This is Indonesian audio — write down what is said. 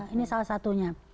ini salah satunya